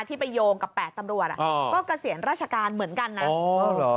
ที่ไปโยงกับ๘ตำรวจก็เกษียณราชการเหมือนกันนะ